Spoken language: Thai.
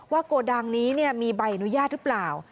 โกดังนี้มีใบอนุญาตหรือเปล่า